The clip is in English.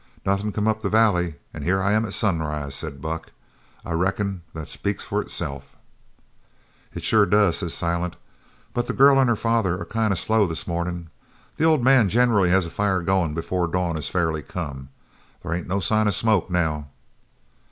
"Nothin' come up the valley, an' here I am at sunrise," said Buck. "I reckon that speaks for itself." "It sure does," said Silent, "but the gal and her father are kind of slow this mornin'. The old man generally has a fire goin' before dawn is fairly come. There ain't no sign of smoke now."